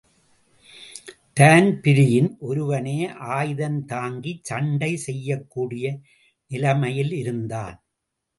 Dan Breen ஓருவனே ஆயுதந்தாங்கிச் சண்டை செய்யக்கூடிய நிலைமையில் இருந்தான்.